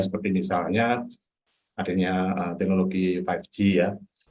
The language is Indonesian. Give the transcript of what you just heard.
seperti misalnya adanya teknologi lima g ya